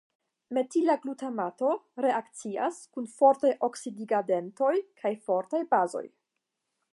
Metila glutamato reakcias kun fortaj oksidigagentoj kaj fortaj bazoj.